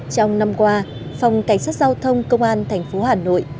trong năm qua phòng cảnh sát giao thông công an thành phố hà nội